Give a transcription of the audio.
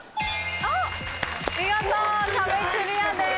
あっ見事壁クリアです。